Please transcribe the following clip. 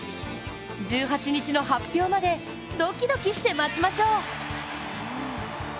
１８日の発表までドキドキして待ちましょう。